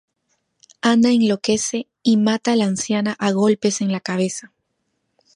Ana enloquece y mata a la anciana a golpes en la cabeza.